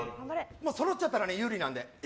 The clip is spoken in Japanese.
そろっちゃったら有利なので。